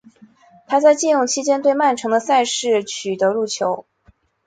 他在借用期间对曼城的赛事中取得入球。